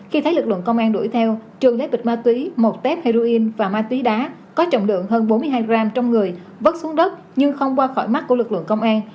khi thấy lực lượng công an đuổi theo trường lấy bịch ma túy một tét heroin và ma túy đá có trọng lượng hơn bốn mươi hai g trong người vớt xuống đất nhưng không qua khỏi mắt của lực lượng công an